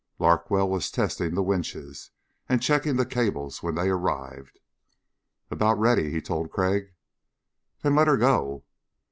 Larkwell was testing the winches and checking the cables when they arrived. "About ready," he told Crag. "Then let her go."